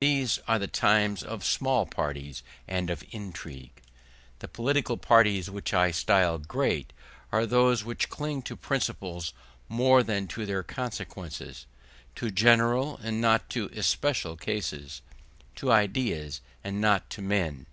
These are the times of small parties and of intrigue. The political parties which I style great are those which cling to principles more than to their consequences; to general, and not to especial cases; to ideas, and not to men.